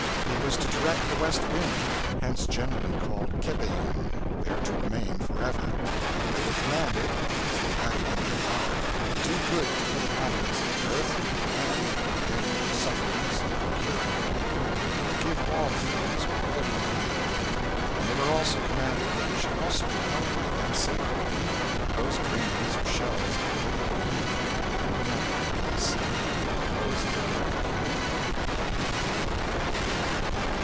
He was to direct the west wind, hence generally called Kebeyun, there to remain for ever. They were commanded, as they had it in their power, to do good to the inhabitants of the earth, and, forgetting their sufferings in procuring the wampum, to give all things with a liberal hand. And they were also commanded that it should also be held by them sacred; those grains or shells of the pale hue to be emblematic of peace, while those of the darker hue would lead to evil and war.